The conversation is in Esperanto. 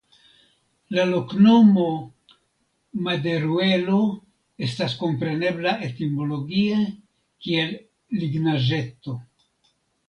La loknomo "Maderuelo" estas komprenebla etimologie kiel Lignaĵeto.